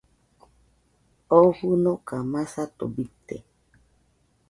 Oo fɨnoka masato bite.